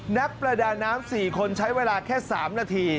นักประดาน้ำ๔คนใช้เวลาแค่๓นาที